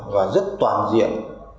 và rất toàn diện